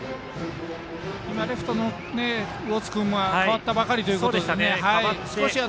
レフトの魚津君は代わったばかりということで。